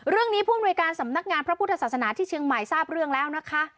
ผู้อำนวยการสำนักงานพระพุทธศาสนาที่เชียงใหม่ทราบเรื่องแล้วนะคะ